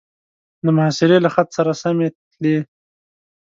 د محاصرې له خط سره سمې تلې.